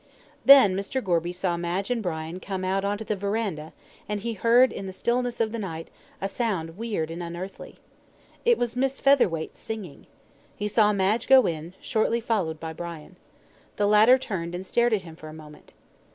Then Mr. Gorby saw Madge and Brian come out on to the verandah, and heard in the stillness of the night, a sound weird and unearthly. It was Miss Featherweight singing. He saw Madge go in, shortly followed by Brian. The latter turned and stared at him for a moment.